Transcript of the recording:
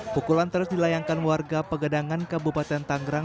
pukulan terus dilayangkan warga pegadangan kabupaten tanggerang